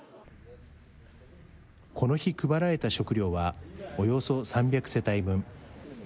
この日、配られた食料は、およそ３００世帯分。